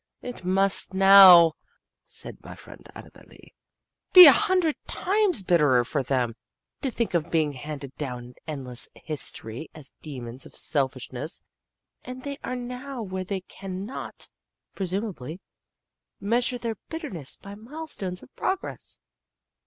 It must now," said my friend Annabel Lee, "be a hundred times bitterer for them to think of being handed down in endless history as demons of selfishness and they are now where they can not, presumably, measure their bitterness by milestones of progress."